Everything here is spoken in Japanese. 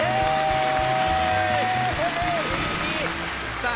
さあ